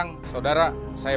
bapak bisa mencoba